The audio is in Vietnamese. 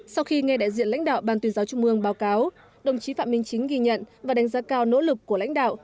sau khi nghe đại diện lãnh đạo ban tuyên giáo trung mương báo cáo đồng chí phạm minh chính ghi nhận và đánh giá cao nỗ lực của lãnh đạo